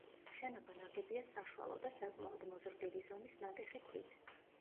შენობა ნაგებია საშუალო და საკმაოდ მოზრდილი ზომის ნატეხი ქვით.